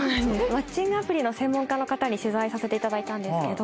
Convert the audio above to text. マッチングアプリの専門家の方に取材させていただいたんですけど。